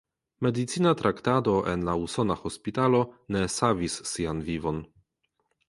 Medicina traktado en la usona hospitalo ne savis sian vivon.